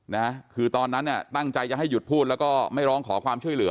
นะคือตอนนั้นเนี่ยตั้งใจจะให้หยุดพูดแล้วก็ไม่ร้องขอความช่วยเหลือ